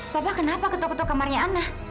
papa kenapa ketuk ketuk kamarnya ana